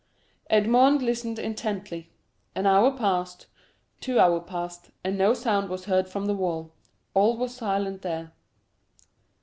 Edmond listened intently; an hour passed, two hours passed, and no sound was heard from the wall—all was silent there.